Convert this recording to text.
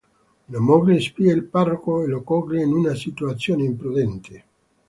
Una moglie spia il parroco e lo coglie in una situazione imprudente.